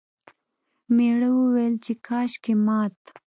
میړه وویل چې کاشکې مات...